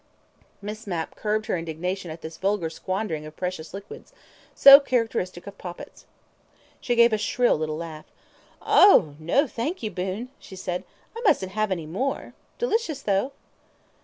Miss Mapp curbed her indignation at this vulgar squandering of precious liquids, so characteristic of Poppits. She gave a shrill little laugh. "Oh, no, thank you, Boon!" she said. "I mustn't have any more. Delicious, though."